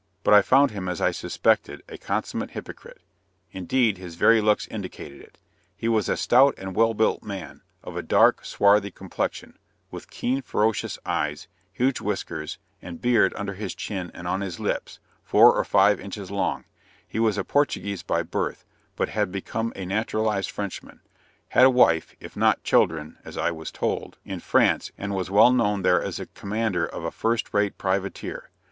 But I found him, as I suspected, a consummate hypocrite; indeed, his very looks indicated it. He was a stout and well built man, of a dark, swarthy complexion, with keen, ferocious eyes, huge whiskers, and beard under his chin and on his lips, four or five inches long; he was a Portuguese by birth, but had become a naturalized Frenchman had a wife, if not children (as I was told) in France, and was well known there as commander of a first rate privateer.